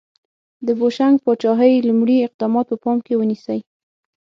د بوشنګ پاچاهۍ لومړي اقدامات په پام کې ونیسئ.